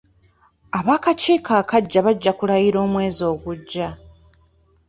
Ab'akakiiko akaggya bajja kulayira omwezi ogujja.